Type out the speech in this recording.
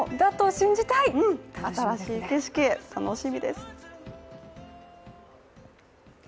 新しい景色へ、楽しみです。